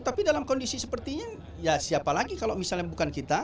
tapi dalam kondisi sepertinya ya siapa lagi kalau misalnya bukan kita